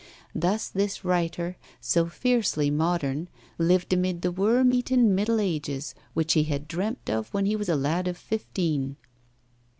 Thus this writer, so fiercely modern, lived amid the worm eaten middle ages which he had dreamt of when he was a lad of fifteen.